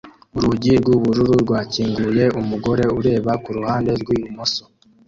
Urugi rwubururu rwakinguye umugore ureba kuruhande rwibumoso